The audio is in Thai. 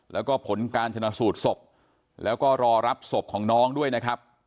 แล้วก็ผลการชนะสูตรศพแล้วก็รอรับศพของน้องด้วยนะครับ